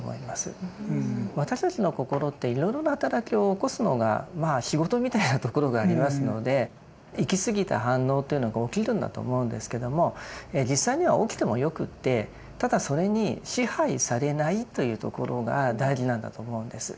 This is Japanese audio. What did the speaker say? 私たちの心っていろいろな働きを起こすのが仕事みたいなところがありますので行きすぎた反応というのが起きるんだと思うんですけども実際には起きてもよくってただそれに支配されないというところが大事なんだと思うんです。